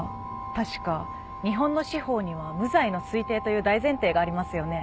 確か日本の司法には無罪の推定という大前提がありますよね。